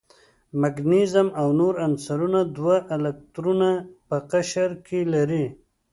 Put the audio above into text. مګنیزیم او نور عنصرونه دوه الکترونه په قشر کې لري.